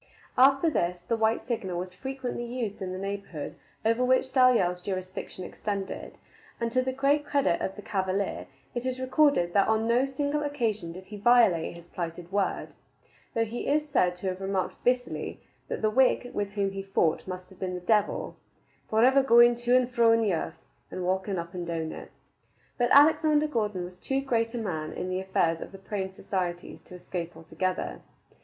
After this, the white signal was frequently used in the neighborhood over which Dalyell's jurisdiction extended, and to the great credit of the cavalier it is recorded that on no single occasion did he violate his plighted word, though he is said to have remarked bitterly that the Whig with whom he fought must have been the devil, "forever going to and fro in the earth, and walking up and down in it." But Alexander Gordon was too great a man in the affairs of the Praying Societies to escape altogether.